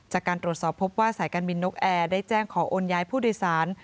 จากการตรวจสอบพบว่าสายการบินนกแอร์ได้แจ้งขอโอนย้ายผู้โดยสาร